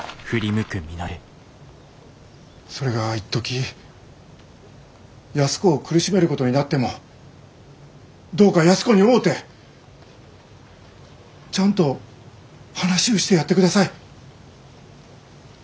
それが一時安子を苦しめることになってもどうか安子に会うてちゃんと話うしてやってください。